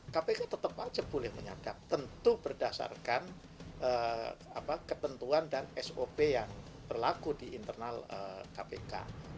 kpk tetap saja boleh menyadap tentu berdasarkan ketentuan dan sop yang berlaku di internal kpk